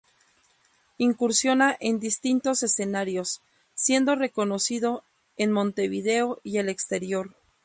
Incursiona en distintos escenarios, siendo reconocido en Montevideo y el exterior.